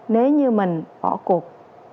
nếu như mình bỏ cuộc